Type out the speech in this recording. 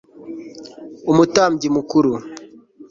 umutambyi mukuru